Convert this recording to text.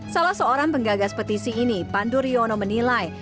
salah seorang penggagas petisi ini pandu riono menilai